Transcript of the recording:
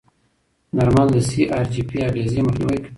درمل د سی ار جي پي اغېزې مخنیوي کوي.